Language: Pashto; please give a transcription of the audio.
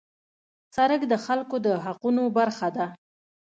سړک د خلکو د حقونو برخه ده.